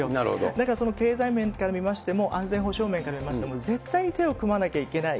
だから経済面から見ましても、安全保障面から見ましても、絶対に手を組まなきゃいけない